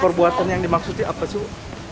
perbuatan yang dimaksud apa sih